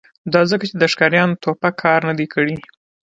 دا ځکه چې د ښکاریانو ټوپک کار نه دی کړی